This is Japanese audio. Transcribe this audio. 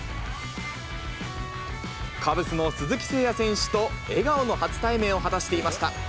カブスの鈴木誠也選手と笑顔の初対面を果たしていました。